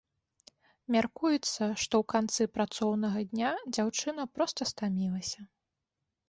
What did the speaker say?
Мяркуецца, што ў канцы працоўнага дня дзяўчына проста стамілася.